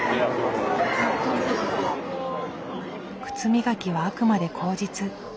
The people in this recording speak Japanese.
靴磨きはあくまで口実。